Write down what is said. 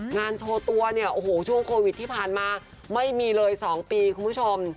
งานโชว์ตัวเนี่ยโอ้โหช่วงโควิดที่ผ่านมาไม่มีเลย๒ปีคุณผู้ชม